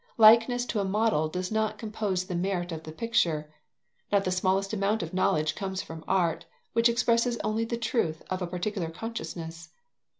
Likeness to a model does not compose the merit of a picture. Not the smallest amount of knowledge comes from art, which expresses only the truth of a particular consciousness.